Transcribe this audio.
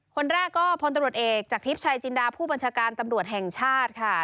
คนแรกก็พลตำรวจเอกจากทิพย์ชัยจินดาผู้บัญชาการตำรวจแห่งชาติค่ะ